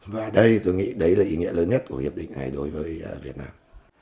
và đây tôi nghĩ đấy là ý nghĩa lớn nhất của hiệp định này đối với việt nam